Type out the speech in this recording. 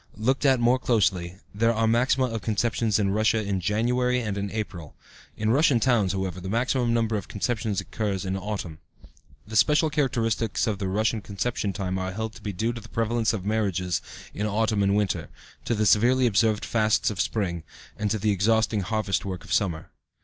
Looked at more closely, there are maxima of conceptions in Russia in January and in April. (In Russian towns, however, the maximum number of conceptions occurs in the autumn.) The special characteristics of the Russian conception rate are held to be due to the prevalence of marriages in autumn and winter, to the severely observed fasts of spring, and to the exhausting harvest work of summer.